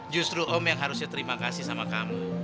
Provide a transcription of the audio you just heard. justru om yang harusnya terima kasih sama kamu